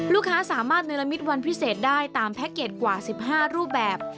ลูกค้าสามารถในละมิตวันพิเศษได้ตามแพ็คเกจกว่า๑๕รูปแบบ